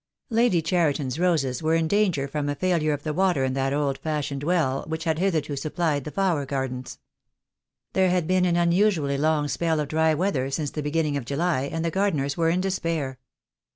Lady Cheriton's roses were in danger from a failure of the water in that old fashioned well which had hitherto supplied the flower gardens. There had been an unusually long spell of dry weather since the beginning of July, and the gardeners were in despair.